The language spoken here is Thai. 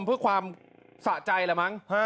เพื่อความสะใจละมั้ง